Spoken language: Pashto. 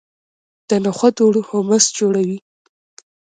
د نخودو اوړه هومس جوړوي.